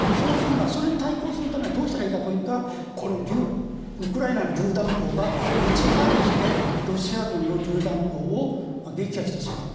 それに対抗するにはどうしたらいいかというとウクライナのりゅう弾砲が撃ち返してロシア軍のりゅう弾砲を撃破してしまう。